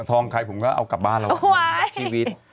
ทองขายผมก็เอากลับบ้านแล้ววะชีวิต